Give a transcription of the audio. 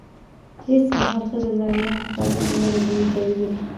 هېڅ مهال ښځه د نارينه په مقابل کې نه ده درېدلې.